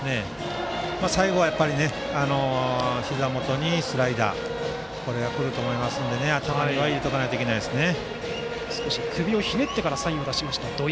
最後はひざ元へスライダーが来ると思いますので頭に入れておかないといけないですね。